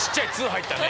入ったね。